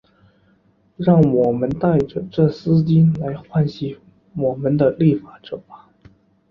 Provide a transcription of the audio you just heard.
让我们戴着这丝带来唤醒我们的立法者吧。